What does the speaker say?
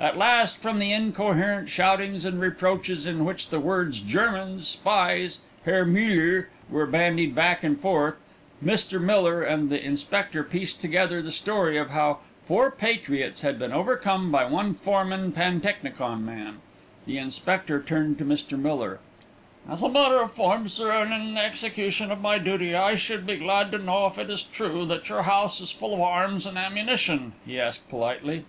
At last, from the incoherent shoutings and reproaches in which the words "Germans," "Spies," "Herr Müller," were bandied back and forth, Mr. Miller and the inspector pieced together the story of how four patriots had been overcome by one foreman pantechnicon man. The inspector turned to Mr. Miller. "As a matter of form, sir, and in the execution of my duty, I should be glad to know if it is true that your house is full of arms and ammunition?" he asked politely.